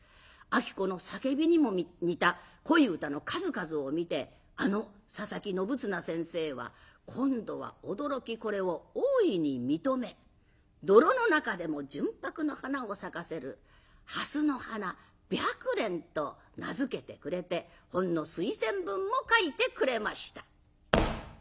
子の叫びにも似た恋歌の数々を見てあの佐佐木信綱先生は今度は驚きこれを大いに認め泥の中でも純白の花を咲かせる蓮の花「白蓮」と名付けてくれて本の推薦文も書いてくれました。